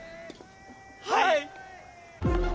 はい！